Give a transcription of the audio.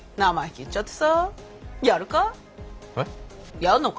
やるか？